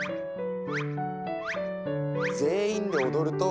全員で踊ると。